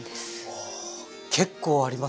お結構ありますね。